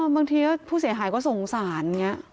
บางทีผู้เสียหายก็ทรงสาร